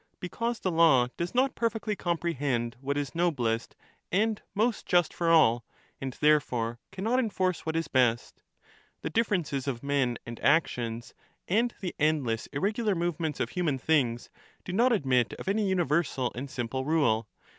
Because the law does not perfectly comprehend what strahcek, is noblest and most just for all and therefore cannot enforce ^^"J^^^ what is best. The differences of men and actions, and the endless irregular movements of human things, do not admit law ; of any universal and simple rule.